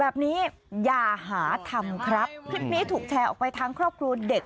แบบนี้อย่าหาทำครับคลิปนี้ถูกแชร์ออกไปทั้งครอบครัวเด็ก